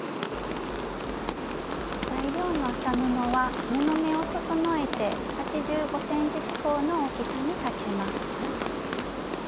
材料の麻布は布目を整えて８５ｃｍ四方の大きさに裁ちます。